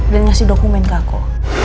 dan ngasih dokumen ke aku